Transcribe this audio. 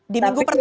di minggu pertama